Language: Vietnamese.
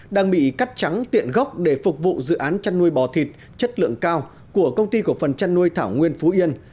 đang bị cắt trắng tiện gốc để phục vụ dự án chăn nuôi bò thịt chất lượng cao của công ty cổ phần chăn nuôi thảo nguyên phú yên